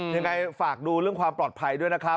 ยังไงฝากดูเรื่องความปลอดภัยด้วยนะครับ